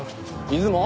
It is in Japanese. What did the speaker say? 出雲？